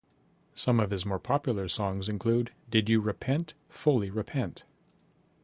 Some of his more popular songs include Did You Repent, Fully Repent?